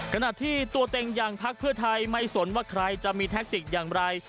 ขณะที่ตัวเต็งอย่างพักเพื่อไทยไม่สนว่าใครจะมีแท็กติกอย่างไร